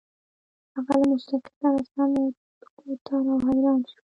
هغه له موسيقۍ سره سم اوتر او حيران شو.